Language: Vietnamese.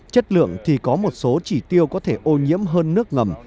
chất lượng thì có một số chỉ tiêu có thể ô nhiễm hơn nước ngầm